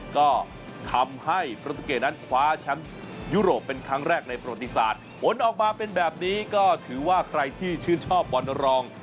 ก็ทำให้ประตูเกตนั้นคว้าแชมป์ยุโรปเป็นครั้งแรกในประวัติศาสตร์ผลออกมาเป็นแบบนี้ก็ถือว่าใครที่ชื่นชอบบอลรอง